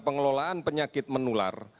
pengelolaan penyakit menular